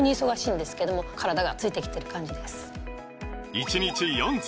１日４粒！